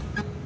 ya aku mau